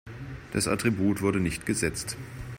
Das Attribut wurde nicht gesetzt.